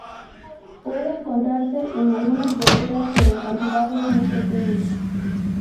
Puede encontrarse en algunas verduras pero en cantidades muy pequeñas.